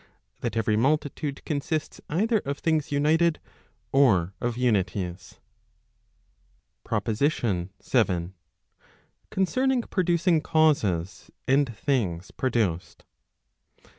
that every multitude consists either of things united, or of unities.] PROPOSITION VII. Concerning producing causes and things produced